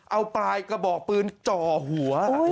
เอาปลายกระบอกปืนจ่อหัว